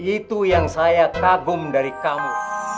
itu yang saya kagum dari kamu